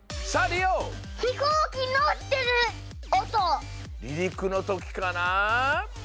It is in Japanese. りりくのときかな？